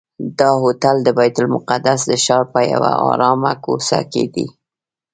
دا هوټل د بیت المقدس د ښار په یوه آرامه کوڅه کې دی.